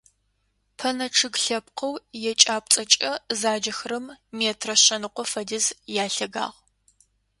Пэнэ чъыг лъэпкъэу екӏапӏцӏэкӏэ заджэхэрэм метрэ шъэныкъо фэдиз ялъэгагъ.